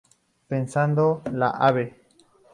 Pasando la Av.